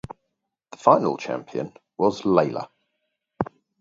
The final champion was Layla.